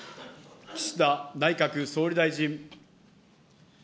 岸田内閣総理大臣。